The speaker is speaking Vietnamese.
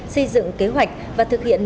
xây dựng kế hoạch và thực hiện